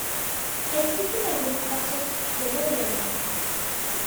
Existen algunos casos de medio metro.